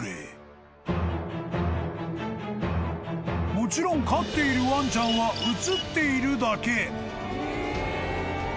［もちろん飼っているワンちゃんは映っているだけ］